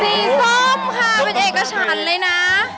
ส้มค่ะเป็นเอกฉันเลยนะ